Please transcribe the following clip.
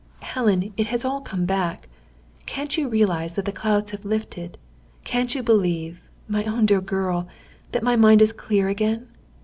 Helen, it has all come back. Can't you realise that the clouds have lifted; can't you believe, my own dear girl, that my mind is clear again?